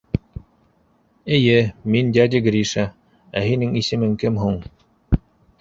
— Эйе, мин дядя Гриша, ә һинең исемең кем һуң?